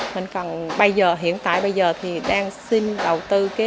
mình còn hiện tại bây giờ thì đang xin đầu tư hệ thống sơn tính điện